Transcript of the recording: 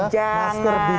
masker di dagu gitu